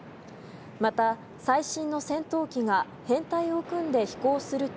また、最新の戦闘機が編隊を組んで飛行すると